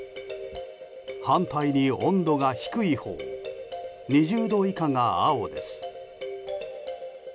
反対に温度が低いほう２０度以下が青です。